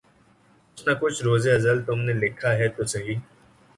کچھ نہ کچھ روزِ ازل تم نے لکھا ہے تو سہی